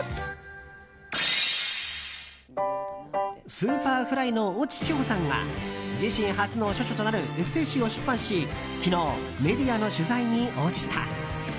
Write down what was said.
Ｓｕｐｅｒｆｌｙの越智志帆さんが自身初の著書となるエッセー集を出版し昨日、メディアの取材に応じた。